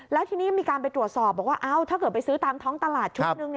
แล้วทีนี้มีการไปตรวจสอบบอกว่าถ้าเกิดไปซื้อตามท้องตลาดชุดหนึ่ง